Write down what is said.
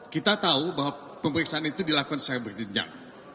kita tahu bahwa pemeriksaan itu dilakukan secara berjenjang